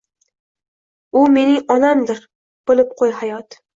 U mening onamdir bilib quy hayot!